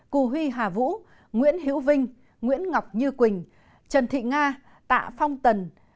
cù huy hà vũ nguyễn hữu vinh nguyễn ngọc như quỳnh trần thị nga tạ phong tần